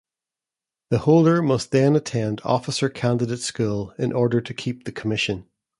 The holder must then attend Officer Candidate School in order to keep the commission.